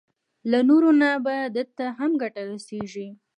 له نورو نه به ده ته هم ګټه رسېږي.